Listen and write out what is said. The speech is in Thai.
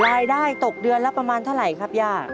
รายได้ตกเดือนละประมาณเท่าไหร่ครับย่า